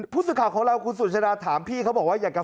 ผู้สื่อข่าวของเราคุณสุชาดาถามพี่เขาบอกว่าอยากจะ